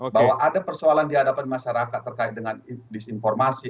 bahwa ada persoalan di hadapan masyarakat terkait dengan disinformasi